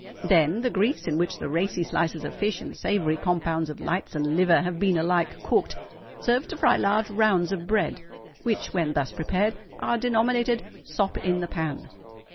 Then the grease, in which the racy slices of fish and savoury compounds of lights and liver have been alike cooked, serves to fry large rounds of bread, which, when thus prepared, are denominated "sop in the pan."